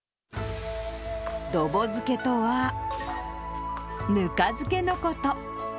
どぼ漬けとは、ぬか漬けのこと。